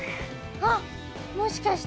あっもしかして。